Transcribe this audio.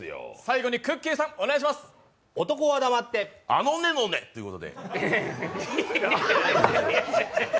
あのねのねということで。